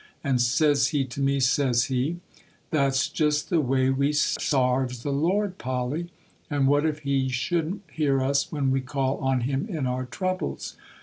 And says he to me, says he, "That's jest the way we sarves the Lord, Polly; and what if He shouldn't hear us when we call on Him in our troubles?"